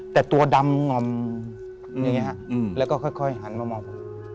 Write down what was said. แต่ตัวดำง่อมอย่างนี้ฮะแล้วก็ค่อยหันมามองผม